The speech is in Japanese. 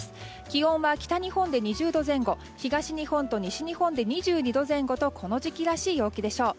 気温は北日本で２０度前後東日本と西日本で２２度前後とこの時期らしい陽気でしょう。